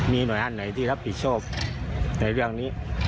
มีหน่วยงานไหนที่รับผิดชอบในเรื่องนี้